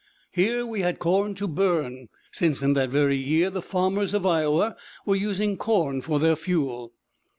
Here we had corn to burn, since in that very year the farmers of Iowa were using corn for their fuel.